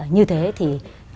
như thế thì